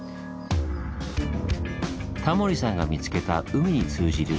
タモリさんが見つけた海に通じる「溝」。